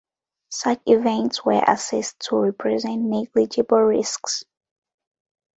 Such events were assessed to represent negligible risks.